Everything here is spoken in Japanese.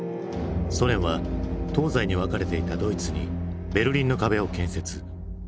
ソ連は東西に分かれていたドイツにベルリンの壁を建設。